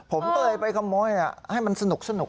ผมก็เลยไปขโมยให้มันสนุก